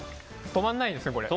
止まらないですね、これ。